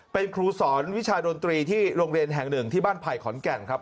เป็นครูสอนวิชาดนตรีที่โรงเรียนแห่งหนึ่งที่บ้านไผ่ขอนแก่นครับ